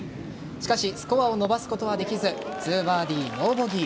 しかしスコアを伸ばすことはできず２バーディーノーボギー。